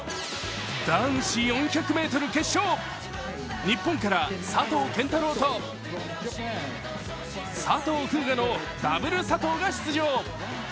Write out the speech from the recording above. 男子４００ｍ決勝、日本から佐藤拳太郎と佐藤風雅のダブル佐藤が出場。